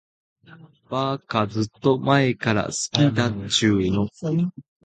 ばーか、ずーっと前から好きだっちゅーの。